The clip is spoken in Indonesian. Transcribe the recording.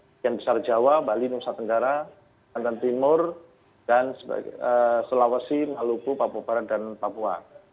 sebagian besar jawa bali nusa tenggara timur dan sulawesi maluku papua barat dan papua